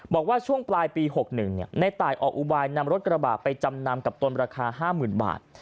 บอกว่าช่วงปลายปี๖๑ในตายออกอุบายนำรถกระบะไปจำนำกับตนราคา๕๐๐๐บาท